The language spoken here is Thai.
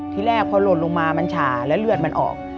ที่แรกพอหล่นลงมามันฉาแล้วเลือดมันออก